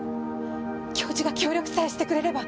教授が協力さえしてくれれば。